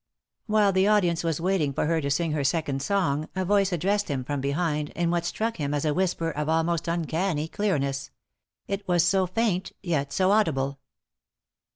While the audience was waiting for her to sing her second song a voice addressed him from behind in what struck him as a whisper of almost uncanny clearness ; it was so faint, yet so audible.